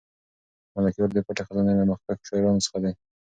ملکیار د پټې خزانې له مخکښو شاعرانو څخه دی.